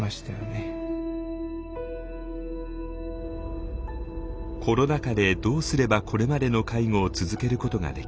コロナ禍でどうすればこれまでの介護を続けることができるのか。